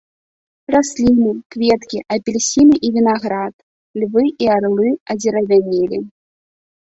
Расліны, кветкі, апельсіны і вінаград, львы і арлы адзеравянелі.